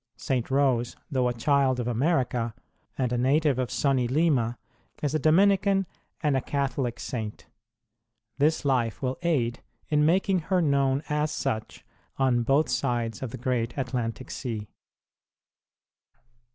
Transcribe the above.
St. Rose, though a child of America, and a native of sunny Lima, is a Dominican and a Catholic saint. This life will aid in making her known as such on both sides of the great Atlantic Sea.